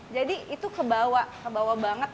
jadi itu kebawa kebawa banget